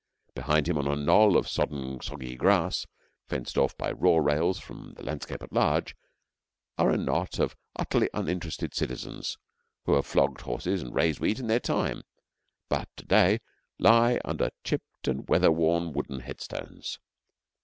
Behind him on a knoll of sodden soggy grass, fenced off by raw rails from the landscape at large, are a knot of utterly uninterested citizens who have flogged horses and raised wheat in their time, but to day lie under chipped and weather worn wooden headstones.